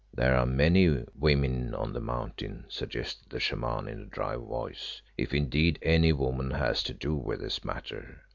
"There are many women on the Mountain," suggested the Shaman in a dry voice, "if indeed any woman has to do with this matter."